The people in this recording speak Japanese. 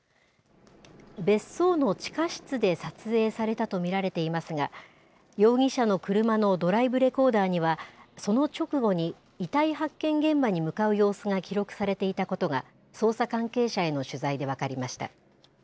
別荘の地下室で撮影されたと見られていますが、容疑者の車のドライブレコーダーには、その直後に、遺体発見現場に向かう様子が記録されていたことが、捜査関係者への取材で分かりました。